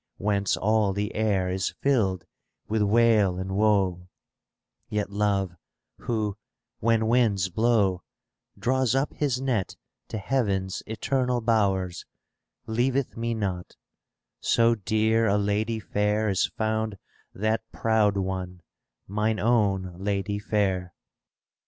Whence all the air is filled with wail and woe; Yet Love who, when winds blow, Draws up his net to heaven's eternal bowers, Leaveth me not ; so dear a lady fair ^ Is found that proud one, mine own Lady fair.